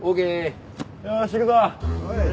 よし行くぞ。